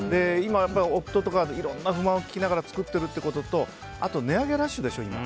夫とかのいろんな不満を聞きながら作ってるということとあと値上げラッシュでしょ、今。